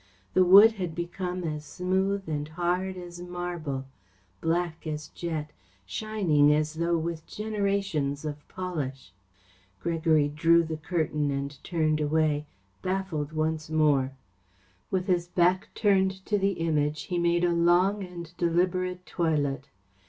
The wood had become as smooth and hard as marble, black as jet, shining as though with generations of polish. Gregory drew the curtain and turned away, baffled once more. With his back turned to the Image he made a long and deliberate toilet.